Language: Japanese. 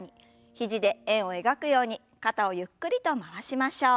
肘で円を描くように肩をゆっくりと回しましょう。